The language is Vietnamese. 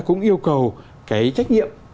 cũng yêu cầu cái trách nhiệm